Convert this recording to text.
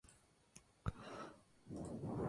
La acción es más lenta que la del yodo.